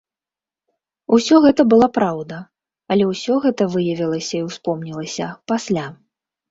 Усё гэта была праўда, але ўсё гэта выявілася і ўспомнілася пасля.